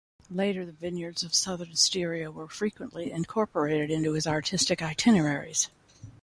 Later the vineyards of southern Styria were frequently incorporated into his artistic itineraries.